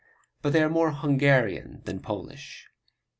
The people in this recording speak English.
But they are more Hungarian than Polish.